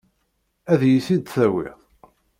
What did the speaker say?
Ad iyi-t-id-tawiḍ?